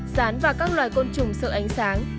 rán và các loài côn trùng sợ ánh sáng